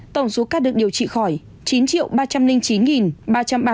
tổng số các được điều trị khỏi chín ba trăm linh chín ba trăm ba mươi sáu ca